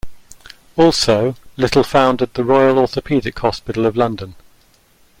Also, Little founded the Royal Orthopaedic Hospital of London.